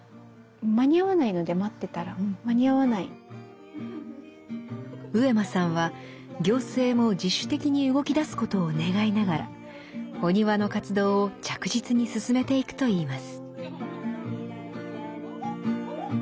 ただ上間さんは行政も自主的に動きだすことを願いながらおにわの活動を着実に進めていくと言います。